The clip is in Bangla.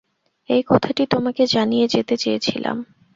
এই কথাটি তোমাকে জানিয়ে যেতে চেয়েছিলাম।